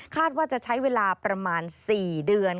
ว่าจะใช้เวลาประมาณ๔เดือน